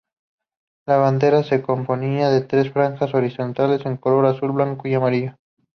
La bandera se componía de tres franjas horizontales en colores azul, blanco y amarillo.